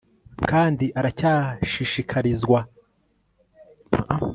kandi aracyashishikazwa cyane no gute